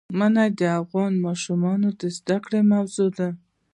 منی د افغان ماشومانو د زده کړې موضوع ده.